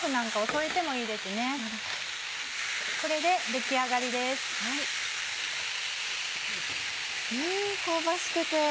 うん香ばしくて。